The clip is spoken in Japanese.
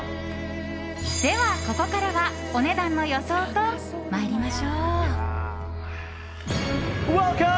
では、ここからはお値段の予想と参りましょう。